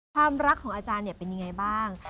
ความรักของอาจารย์เป็นยังไงบ้าง